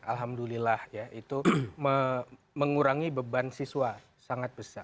alhamdulillah ya itu mengurangi beban siswa sangat besar